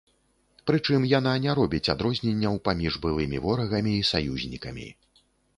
Прычым яна не робіць адрозненняў паміж былымі ворагамі і саюзнікамі.